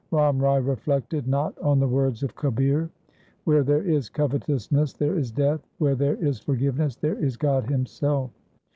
Ram Rai reflected not on the words of Kabir :— Where there is covetousness there is death ; where there is forgiveness there is God Himself.